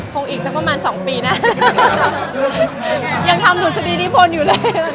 คงอีกประมาณ๒ปีนะยังทำถุชฎีที่พลอยู่เลย